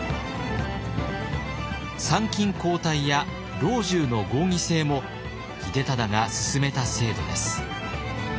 参勤交代や老中の合議制も秀忠が進めた制度です。